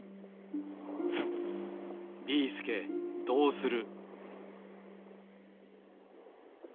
ビーすけどうする！？